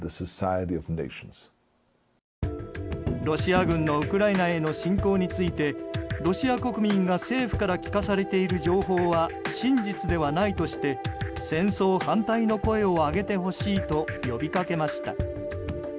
ロシア軍のウクライナへの侵攻についてロシア国民が政府から聞かされている情報は真実ではないとして戦争反対の声を上げてほしいと呼びかけました。